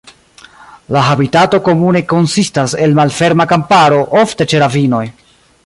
La habitato komune konsistas el malferma kamparo, ofte ĉe ravinoj.